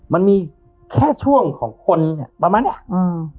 มันมีแค่ช่วงของคนเนี้ยประมาณเนี้ยอืม